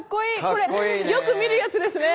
これよく見るやつですね